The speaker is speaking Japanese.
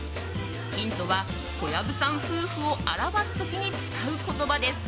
ヒントは小籔さん夫婦を表す時に使う言葉です。